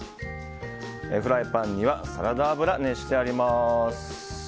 フライパンにはサラダ油が熱してあります。